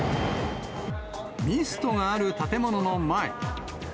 ミストがある建物の前。